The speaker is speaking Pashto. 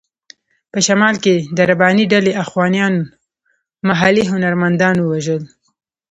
په شمال کې د رباني ډلې اخوانیانو محلي هنرمندان ووژل.